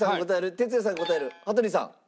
鉄矢さん答える？羽鳥さん。